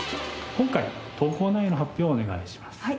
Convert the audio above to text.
今回の投稿内容の発表をお願いします。